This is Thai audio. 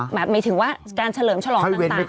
หมายถึงว่าการเฉลิมฉลองต่าง